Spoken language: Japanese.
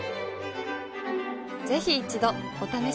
ぜひ一度お試しを。